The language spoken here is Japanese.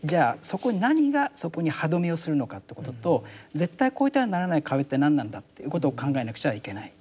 そこに何がそこに歯止めをするのかということと絶対超えてはならない壁って何なんだっていうことを考えなくちゃいけない。